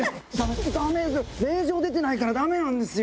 令状出てないからダメなんですよ！